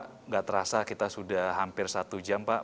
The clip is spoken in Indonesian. pak enggak terasa kita sudah hampir satu jam pak